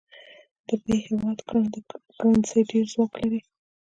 د ب هیواد کرنسي ډېر ځواک لري.